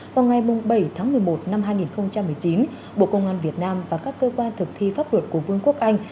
vào ngày bảy tháng một mươi một năm hai nghìn một mươi chín bộ công an việt nam và các cơ quan thực thi pháp luật của vương quốc anh